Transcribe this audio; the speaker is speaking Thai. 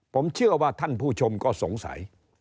ผมเชื่อว่าท่านผู้ชมก็สงสัย